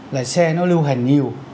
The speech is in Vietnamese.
là xe nó lưu hành nhiều